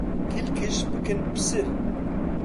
کلکش بکن پسر